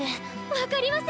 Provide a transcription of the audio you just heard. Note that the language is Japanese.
分かります！